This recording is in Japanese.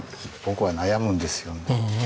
僕は悩むんですよ。